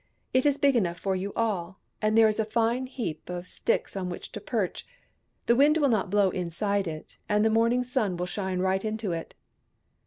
It is big enough for you all, and there is a fine heap of sticks on which to perch. The wind will not blow inside it, and the morning sun will shine right into it."